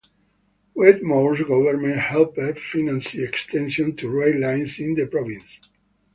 Wetmore's government helped finance extensions to rail lines in the province.